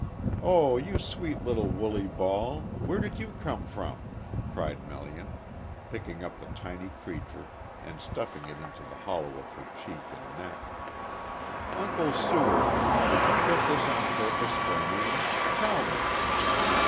"Oh, you sweet little woolly ball where did you come from?" cried Melian, picking up the tiny creature and stuffing it into the hollow of her cheek and neck. "Uncle Seward, did you get this on purpose for me? Tell me."